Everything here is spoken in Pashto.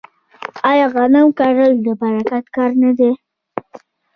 آیا غنم کرل د برکت کار نه دی؟